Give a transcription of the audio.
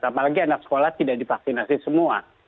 apalagi anak sekolah tidak divaksinasi semua